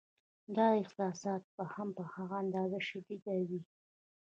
دا احساسات به هم په هغه اندازه شدید وي.